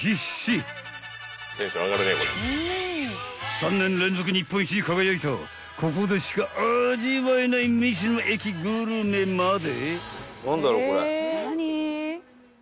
［３年連続日本一に輝いたここでしか味わえない道の駅グルメまで］